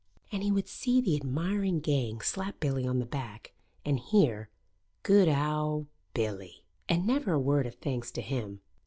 And he would see the admiring gang slap Billy on the back, and hear "Good owd Billy!" and never a word of thanks to him.